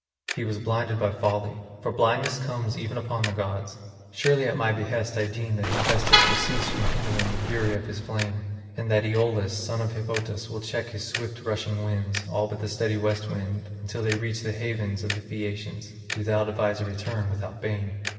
He was blinded by folly. For blindness comes even upon the gods. Surely at my behest I deem that Hephaestus will cease from kindling the fury of his flame, and that Aeolus, son of Hippotas, will check his swift rushing winds, all but the steady west wind, until they reach the havens of the Phaeacians; do thou devise a return without bane.